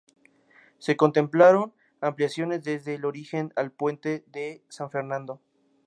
Se contemplaron ampliaciones desde el origen al puente de San Fernando.